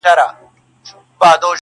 چي يو ځل يوه ماشوم ږغ كړه په زوره٫